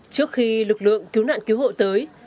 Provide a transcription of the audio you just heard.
trước khi lực lượng cứu nạn cứu hộ tới